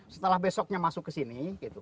setelah besoknya masuk ke sini